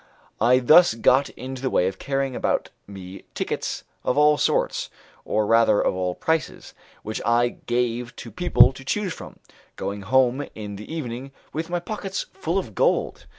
I thus got into the way of carrying about me tickets of all sorts, or rather of all prices, which I gave to people to choose from, going home in the evening with my pockets full of gold.